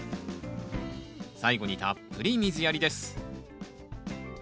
最後にたっぷり水やりです